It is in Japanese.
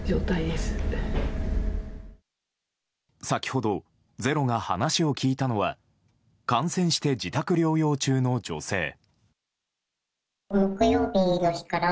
先ほど「ｚｅｒｏ」が話を聞いたのは感染して自宅療養中の女性。